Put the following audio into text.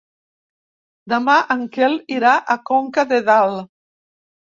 Demà en Quel irà a Conca de Dalt.